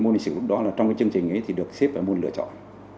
môn lịch sử trong chương trình được xếp vào môn lựa chọn